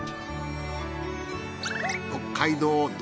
北海道道